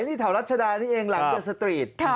นี่แถวรัชดานี่เองหลังจากสตรีท